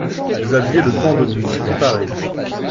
Vous aviez le temps de vous y préparer.